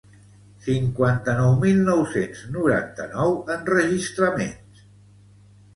Cinquanta-nou mil nou-cents noranta-nou enregistraments